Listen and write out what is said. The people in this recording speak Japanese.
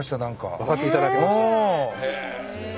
分かっていただけましたか。